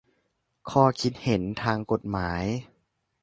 ข้อคิดเห็นทางกฎหมาย